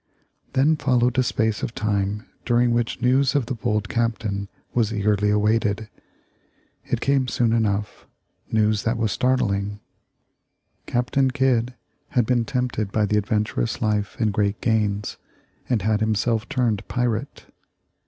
Then followed a space of time during which news of the bold Captain was eagerly awaited. It came soon enough news that was startling. Captain Kidd had been tempted by the adventurous life and great gains, and had himself turned pirate!